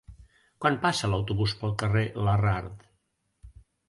Quan passa l'autobús pel carrer Larrard?